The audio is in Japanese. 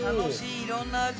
いろんな味！